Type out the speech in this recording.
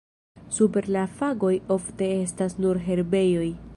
Super la fagoj ofte estas nur herbejoj.